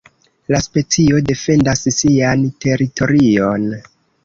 La specio defendas sian teritorion.